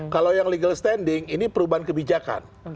kalau yang legal standing ini perubahan kebijakan